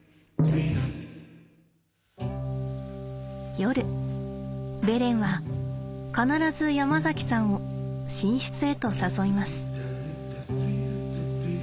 夜ベレンは必ずヤマザキさんを寝室へと誘います。